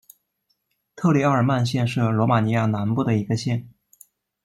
特列奥尔曼县是罗马尼亚南部的一个县。